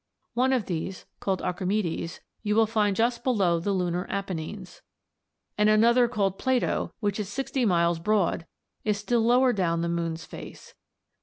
One of these, called Archimedes, you will find just below the Lunar Apennines (Figs. 3 and 7), and another called Plato, which is sixty miles broad, is still lower down the moon's face (Figs.